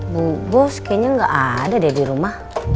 bu bos kayaknya nggak ada deh di rumah